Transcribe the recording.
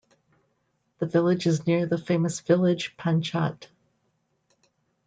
The village is near the famous village Panchhat.